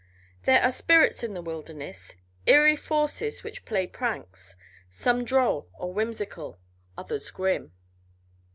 There are spirits in the wilderness, eerie forces which play pranks; some droll or whimsical, others grim.